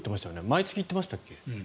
毎月行ってましたっけ。